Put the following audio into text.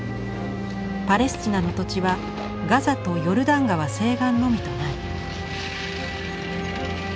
パレスチナの土地はガザとヨルダン川西岸のみとなる。